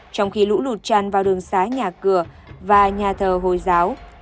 trong khi lũ lụt tràn vào đường xá nhà cửa và nhà thờ hồi giáo